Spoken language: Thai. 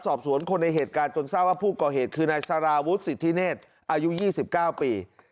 สอบสวนคนในเหตุการณ์จนทราบว่าผู้ก่อเหตุคือนายสาราวุฒิสิทธิเนศอายุ๒๙ปี